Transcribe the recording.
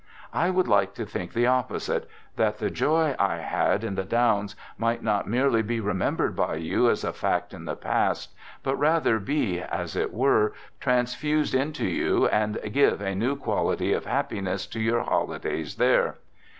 I would like to think the opposite, that the joy I had in the Downs might not merely be remembered by you as a fact in the past, but rather be, as it were, THE GOOD SOLDIER" 25 transfused into you and give a new quality of hap piness to your holidays there.